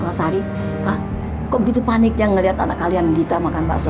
mas ari hah kok gitu paniknya ngelihat anak kalian dita makan bakso